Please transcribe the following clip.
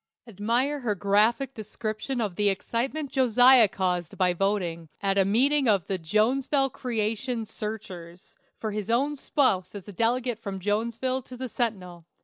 Admire her graphic description of the excitement Josiah caused by voting, at a meeting of the "Jonesville Creation Searchers," for his own spouse as a delegate from Jonesville to the "Sentinel."